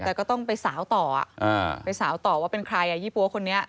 แต่ก็ต้องไปสาวต่อไปสาวต่อว่าเป็นใครอ่ะยี่ปั๊วคนนี้